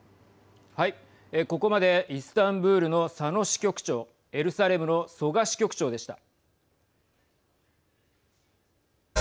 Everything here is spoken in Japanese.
ここまでイスタンブールの佐野支局長エルサレムの曽我支局長でした。